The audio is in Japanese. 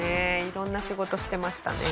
色んな仕事してましたね。